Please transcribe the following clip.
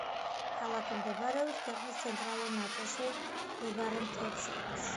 ქალაქი მდებარეობს ქვეყნის ცენტრალურ ნაწილში მდებარე მთებს შორის.